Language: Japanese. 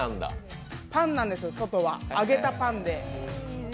パンなんですよ、外は揚げたパンで。